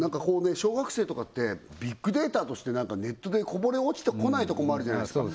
小学生とかってビッグデータとしてネットでこぼれ落ちてこないとこもあるじゃないですか